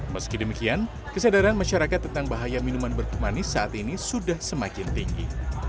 meski demikian kesadaran masyarakat tentang bahaya minuman berkumanis saat ini sudah semakin tinggi